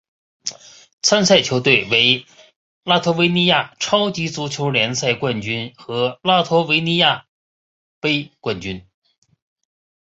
参赛球队为拉脱维亚超级足球联赛冠军和拉脱维亚杯冠军。